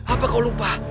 apa kau lupa